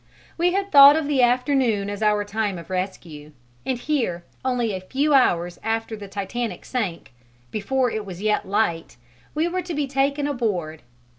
We had thought of the afternoon as our time of rescue, and here only a few hours after the Titanic sank, before it was yet light, we were to be taken aboard.